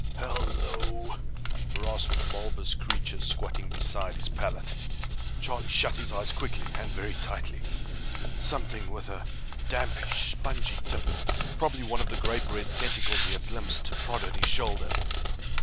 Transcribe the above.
"Hel lo!" rasped the bulbous creature squatting beside his pallet. Charlie shut his eyes quickly, and very tightly. Something with a dampish, spongy tip, probably one of the grape red tentacles he had glimpsed, prodded his shoulder.